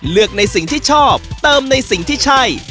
เลือกในสิ่งที่ชอบเติมในสิ่งที่ใช่